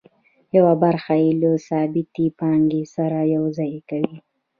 یوه برخه یې له ثابتې پانګې سره یوځای کوي